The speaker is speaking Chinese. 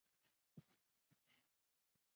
阿安人口变化图示